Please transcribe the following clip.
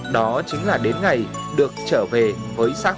đó chính là đến ngày được trở về với xã hội đoàn tụ với gia đình